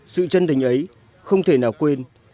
sự chân thành ấy không thể nào quên